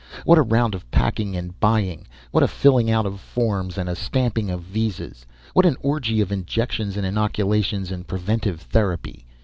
What a round of packing and buying; what a filling out of forms and a stamping of visas; what an orgy of injections and inoculations and preventive therapy!